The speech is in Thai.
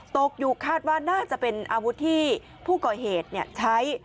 ตกอยู่คาดว่าน่าจะเป็นอาวุธที่ผู้ก่อเหตุใช้